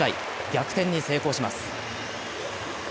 逆転に成功します。